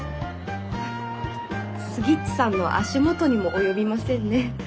スギッチさんの足元にも及びませんね。